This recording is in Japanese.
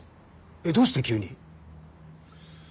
えっどうして急に？